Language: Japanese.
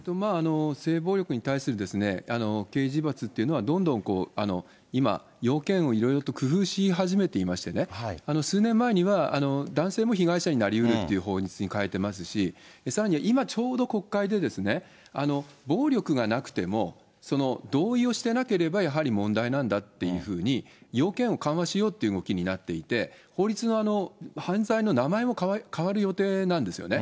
性暴力に対する刑事罰っていうのは、どんどん、今、要件を色々と工夫し始めていましてね、数年前には男性も被害者になりうるっていう法律に変えてますし、さらには今、ちょうど国会で、暴力がなくても、同意をしてなければやはり問題なんだっていうふうに、要件を緩和しようっていう動きになっていて、法律の、犯罪の名前も変わる予定なんですよね。